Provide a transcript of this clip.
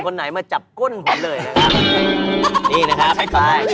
พี่ว่าน้องทำได้